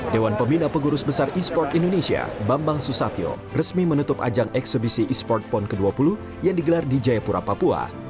dewan pembina pengurus besar esports indonesia bambang susatyo resmi menutup ajang eksibisi esports pekan olahraga nasional ke dua puluh yang digelar di jayapura papua